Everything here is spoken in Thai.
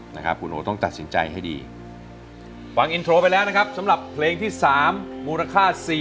นะครับคุณโอต้องตัดสินใจให้ดีฟังอินโทรไปแล้วนะครับสำหรับเพลงที่๓มูลค่าสี่